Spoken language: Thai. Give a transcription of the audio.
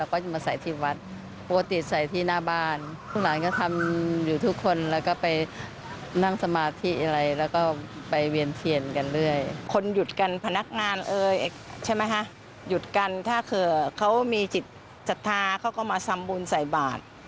คนหยุดกันพนักงานใช่ไหมฮะหยุดกันถ้าเขามีจิตศรัทธาเขาก็มาสำบูรณ์ใส่บาตร